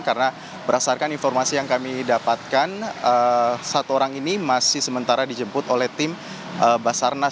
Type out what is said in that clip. karena berdasarkan informasi yang kami dapatkan satu orang ini masih sementara dijemput oleh tim basarnas